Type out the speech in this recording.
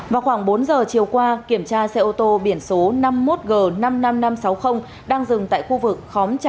vào khoảng bốn giờ chiều qua kiểm tra xe ô tô biển số năm mươi một g năm mươi năm nghìn năm trăm sáu mươi đang dừng tại khu vực khóm trà